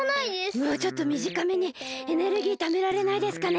もうちょっとみじかめにエネルギーためられないですかね？